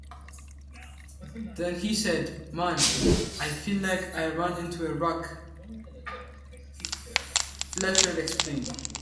Then he said 'Man, I feel like I ran into a rock,' Fulcher explained.